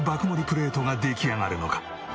プレートが出来上がるのか？